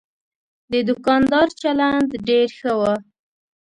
د دوکاندار چلند ډېر ښه و.